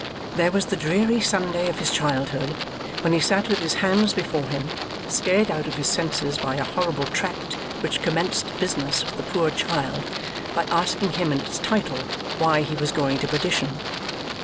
There was the dreary Sunday of his childhood, when he sat with his hands before him, scared out of his senses by a horrible tract which commenced business with the poor child by asking him in its title, why he was going to Perdition?